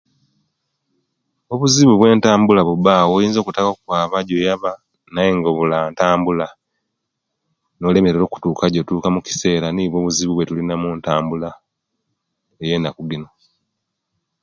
Obuzibu bwentambula bubawo oyinza okuttaka okwaba egyoyaba neyenga obula ntambula nolemwelerwa okutuuka ojotuuka omukisera niwo obuzibu bwetulina omuntambula eyenakku ginu.